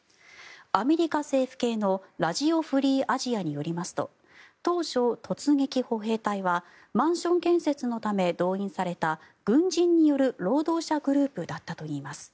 アメリカ政府系のラジオ・フリー・アジアによりますと当初、突撃歩兵隊はマンション建設のため動員された軍人による労働者グループだったといいます。